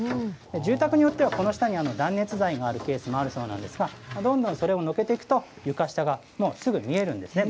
住宅によってはこの下に断熱材があるケースもあるそうなんですが、どんどんそれをのけていくと、床下が、もうすぐ見えるんですね。